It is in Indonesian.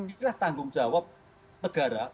itulah tanggung jawab negara